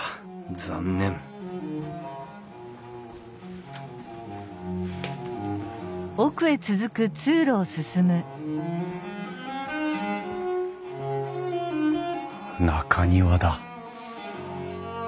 残念中庭だ。